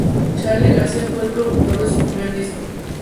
Charly García fue el productor de su primer disco.